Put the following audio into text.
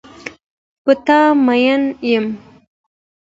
په تا مین یم.